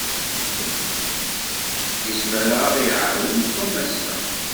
Yezmer ad ɣ-iwawen Tom ass-a.